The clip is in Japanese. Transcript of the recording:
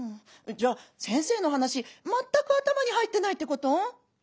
じゃあ先生の話全く頭に入ってないってこと？